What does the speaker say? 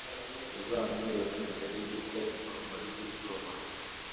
uzamwibuke mbere y'uko urumuri rw'izuba